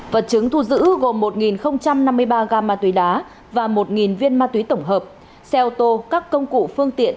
vật chứng thu giữ gồm một năm mươi ba gam ma túy đá và một viên ma túy tổng hợp xe ô tô các công cụ phương tiện